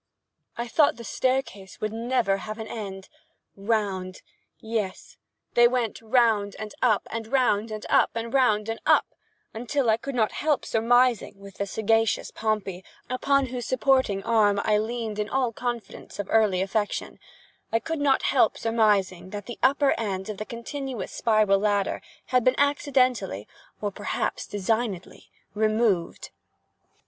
I thought the staircase would never have an end. Round! Yes, they went round and up, and round and up and round and up, until I could not help surmising, with the sagacious Pompey, upon whose supporting arm I leaned in all the confidence of early affection—I could not help surmising that the upper end of the continuous spiral ladder had been accidentally, or perhaps designedly, removed.